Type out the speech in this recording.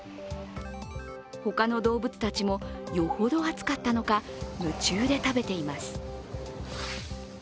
他の動物たちも、よほど暑かったのか、夢中で食べています。